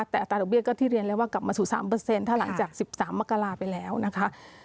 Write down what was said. แต่อัตราดอกเบี้ยก็ที่เรียนแล้วว่ากลับมาสู่๓ถ้าหลังจาก๑๓มกราไปแล้วนะคะ